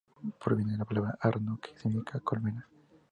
Proviene de la palabra "Arno", que significa colmena.